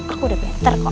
aku udah better kok